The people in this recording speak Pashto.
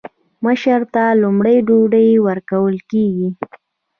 مشر ته لومړی ډوډۍ ورکول کیږي.